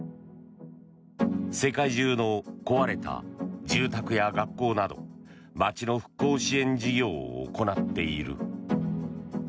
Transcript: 世界中の壊れた住宅や学校など街の復興支援事業を行っている。